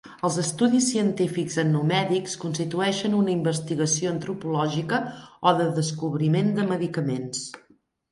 Els estudis científics etnomèdics constitueixen una investigació antropològica o de descobriment de medicaments.